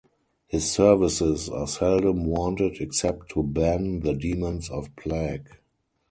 His services are seldom wanted except to ban the demons of plague.